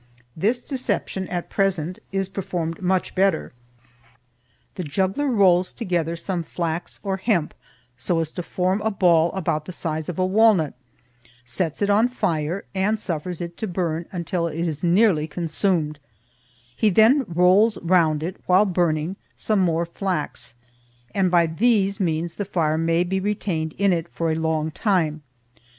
This deception, at present, is performed much better. The juggler rolls together some flax or hemp, so as to form a ball about the size of a walnut; sets it on fire; and suffers it to burn until it is nearly consumed; he then rolls round it, while burning, some more flax; and by these means the fire may be retained in it for a long time.